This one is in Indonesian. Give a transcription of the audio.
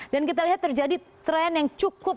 dan kita lihat terjadi tren yang cukup